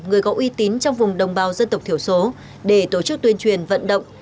người có uy tín trong vùng đồng bào dân tộc thiểu số để tổ chức tuyên truyền vận động